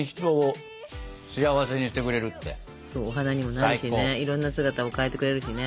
お花にもなるしねいろんな姿に変えてくれるしね。